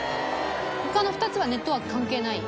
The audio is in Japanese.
「他の２つはネットワーク関係ない？」